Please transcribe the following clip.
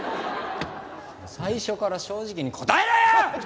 最初から正直に答えろよ！！